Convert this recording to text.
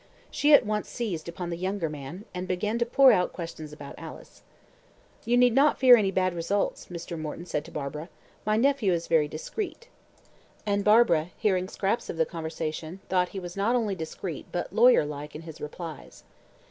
She at once seized upon the younger man, and began to pour out questions about Alice. "You need not fear any bad results," Mr. Morton said to Barbara. "My nephew is very discreet;" and Barbara, hearing scraps of the conversation, thought he was not only discreet but lawyer like in his replies.